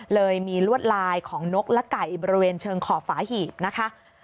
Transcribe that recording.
เลยมีลวดลายของนกและไก่บริเวณเชิงขอบฝาหีบนะคะ